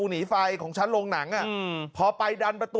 กะลาวบอกว่าก่อนเกิดเหตุ